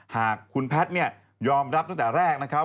หากคุณแพทย์ยอมรับตั้งแต่แรก